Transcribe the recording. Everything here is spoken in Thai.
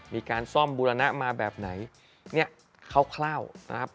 มีการซ่อมบูรณะมาแบบไหนเนี่ยคร่าวนะครับ